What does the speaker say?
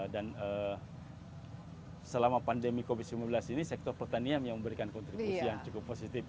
dan selama pandemi covid sembilan belas ini sektor pertanian yang memberikan kontribusi yang cukup positif